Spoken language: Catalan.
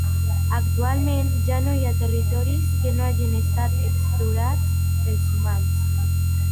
Actualment, ja no hi ha territoris que no hagin estat explorats pels humans.